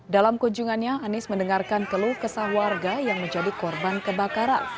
dalam kunjungannya anies mendengarkan keluh kesah warga yang menjadi korban kebakaran